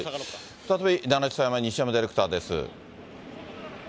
再び奈良地裁前、西山ディレクターです。